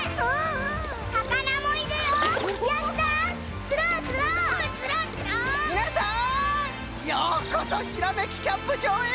ようこそひらめきキャンプじょうへ！